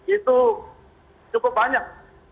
itu cukup banyak